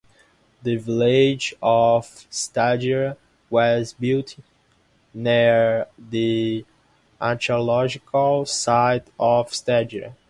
The village of Stagira was built near the archaeological site of Stagira.